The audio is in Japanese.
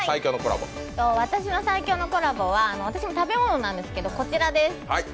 私の最強のコラボは、食べ物なんですけど、こちらです。